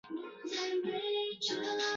为二级大检察官。